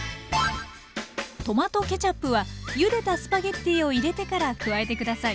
トマトケチャップはゆでたスパゲッティを入れてから加えて下さい。